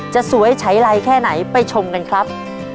จะสวยใช้ไรแค่ไหนไปชมกันครับ